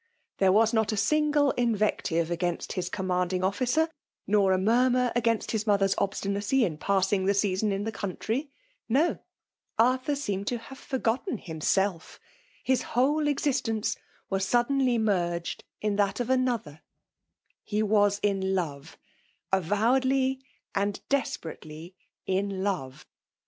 There was not a single invective against his commanding officer, nor a murmur against his mother^s obstinacy in passing the season in the country. — lio 1 Arthur seemed to FBMAIA DOMlNAnOH. 7 bsve £tfgotte& himMelf; Lis iriide ezistenoe w foddenlj merged in that of another; ke was in love, avowedly and desperately in love.